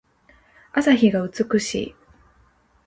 朝日が美しい。